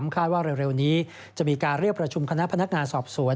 คาดว่าเร็วนี้จะมีการเรียกประชุมคณะพนักงานสอบสวน